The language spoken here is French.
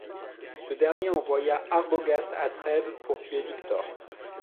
Ce dernier envoya Arbogast à Trèves pour tuer Victor.